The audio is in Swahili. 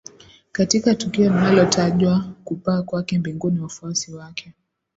katika tukio linalotajwa kupaa kwake mbinguni wafuasi wake